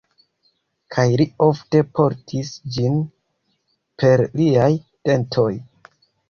Kaj li ofte portis ĝin per liaj dentoj.